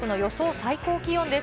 最高気温です。